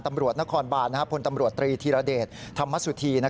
ตำรวจนครบานพลตำรวจตรีธีรเดชธรรมสุธี